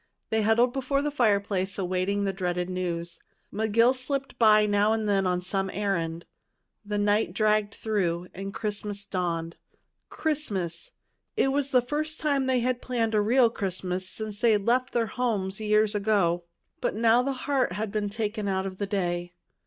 They huddled before the fireplace, awaiting the dreaded news. McGill slipped by now and then on some errand. The night dragged through, and Christmas dawned. Christmas! This was the first time they had planned a real Christmas since they left their homes years ago. But now the heart had been taken out of the day.